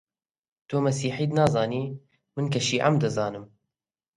تۆ مەسیحیت نازانی، من کە شیعەم دەزانم: